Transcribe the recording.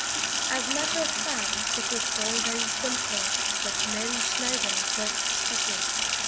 As a matter of fact it was all very simple, but Mary Schneider was stupid.